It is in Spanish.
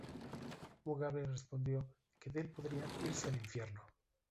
Mugabe respondió que Dell podría "irse al infierno".